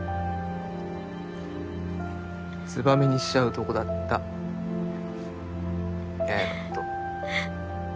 つばめにしちゃうとこだった八重のこと。